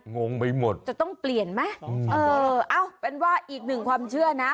งงไปหมดจะต้องเปลี่ยนไหมเออเอาเป็นว่าอีกหนึ่งความเชื่อนะ